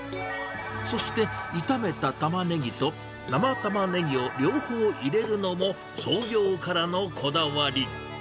そして炒めたタマネギと生タマネギを両方入れるのも、創業からのこだわり。